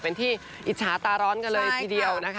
เป็นที่อิจฉาตาร้อนกันเลยทีเดียวนะคะ